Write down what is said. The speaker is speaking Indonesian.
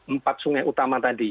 empat sungai utama tadi